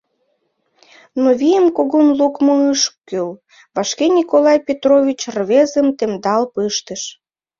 Но вийым кугун лукмо ыш кӱл, вашке Николай Петрович рвезым темдал пыштыш.